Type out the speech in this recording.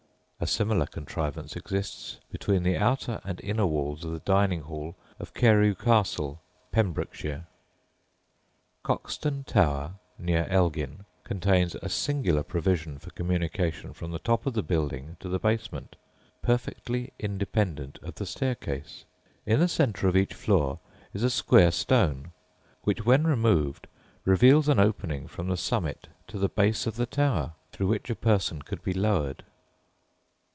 A similar contrivance exists between the outer and inner walls of the dining hall of Carew Castle, Pembrokeshire. Coxton Tower, near Elgin, contains a singular provision for communication from the top of the building to the basement, perfectly independent of the staircase. In the centre of each floor is a square stone which, when removed, reveals an opening from the summit to the base of the tower, through which a person could be lowered.